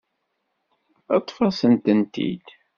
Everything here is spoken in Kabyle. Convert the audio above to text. Ṭṭef-asen-tent-id.